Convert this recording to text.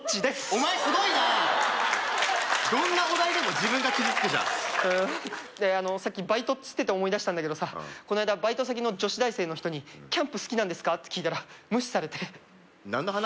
お前すごいなどんなお題でも自分が傷つくじゃんであのさっきバイトっつってて思い出したんだけどさこないだバイト先の女子大生の人にキャンプ好きなんですか？って聞いたら無視されて何の話？